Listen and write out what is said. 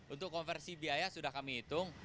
untuk konversi biaya sudah kami hitung